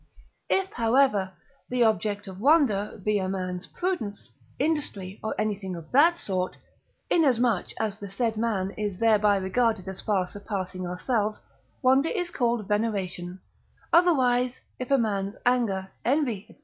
If, however, the object of wonder be a man's prudence, industry, or anything of that sort, inasmuch as the said man, is thereby regarded as far surpassing ourselves, wonder is called Veneration; otherwise, if a man's anger, envy, &c.